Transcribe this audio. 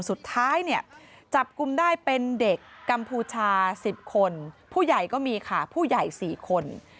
สุดท้ายเนี่ยจับกลุ่มได้เป็นเด็กกัมพูชา๑๐คนผู้ใหญ่ก็มีค่ะผู้ใหญ่๔คน